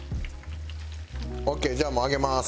オーケーじゃあもう上げます。